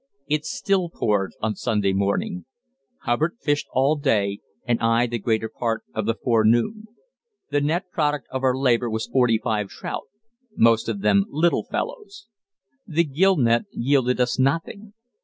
It still poured on Sunday morning. Hubbard fished all day, and I the greater part of the forenoon. The net product of our labor was forty five trout, most of them little fellows. The gill net yielded us nothing.